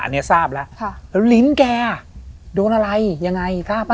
อันนี้ทราบแล้วแล้วลิ้นแกโดนอะไรยังไงทราบป่